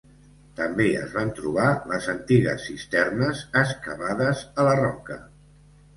També es van trobar les antigues cisternes excavades a la roca.